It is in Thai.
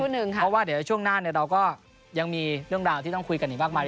เพราะว่าเดี๋ยวช่วงหน้าเราก็ยังมีเรื่องราวที่ต้องคุยกันอีกมากมาย